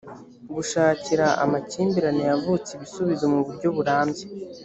gushakira amakimbirane yavutse ibizubizo mu buryo burambye